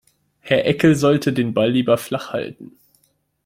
Herr Eckel sollte den Ball lieber flach halten.